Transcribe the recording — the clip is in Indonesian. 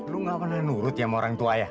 lu nggak pernah nurut ya sama orang tua ya